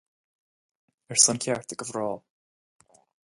Ar son cearta do mhná.